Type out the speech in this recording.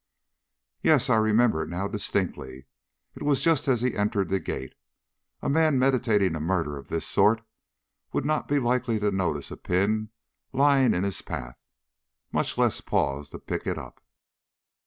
"Yes, I remember it now distinctly. It was just as he entered the gate. A man meditating a murder of this sort would not be likely to notice a pin lying in his path, much less pause to pick it up."